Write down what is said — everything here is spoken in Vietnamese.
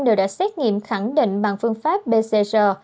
đều đã xét nghiệm khẳng định bằng phương pháp pcr